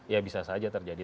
ya bisa saja terjadi